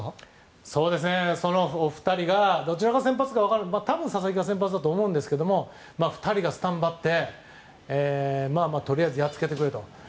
そのお二人が多分、佐々木が先発だと思うんですけど２人がスタンバってとりあえずやっつけてくれと。